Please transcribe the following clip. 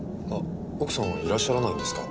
奥様いらっしゃらないんですか？